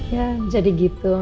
ya jadi gitu